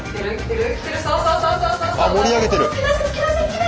あ盛り上げてる！